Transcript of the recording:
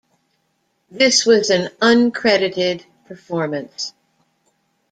This was an uncredited performance.